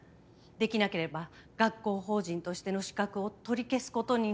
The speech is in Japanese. できなければ学校法人としての資格を取り消す事になりかねないと。